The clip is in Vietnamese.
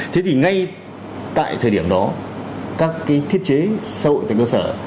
thế thì ngay tại thời điểm đó các thiết chế xã hội tại cơ sở